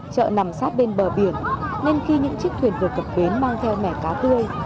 chợ nằm sát bên bờ biển nên khi những chiếc thuyền vừa cập bến mang theo mẻ cá tươi